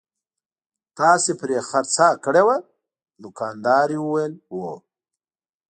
تاسې پرې خرڅه کړې وه؟ دوکاندارې وویل: هو.